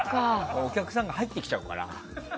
お客さんが入ってきちゃうから。